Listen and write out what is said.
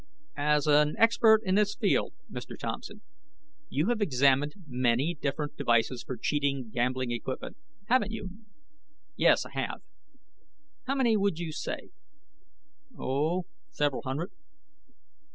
"As an expert in this field, Mr. Thompson, you have examined many different devices for cheating gambling equipment, haven't you?" "Yes, I have." "How many, would you say?" "Oh ... several hundred."